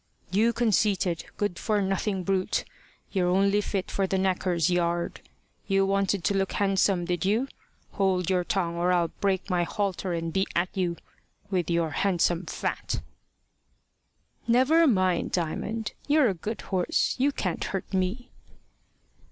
"You conceited, good for nothing brute! You're only fit for the knacker's yard. You wanted to look handsome, did you? Hold your tongue, or I'll break my halter and be at you with your handsome fat!" "Never mind, Diamond. You're a good horse. You can't hurt me."